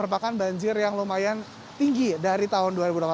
merupakan banjir yang lumayan tinggi dari tahun dua ribu delapan belas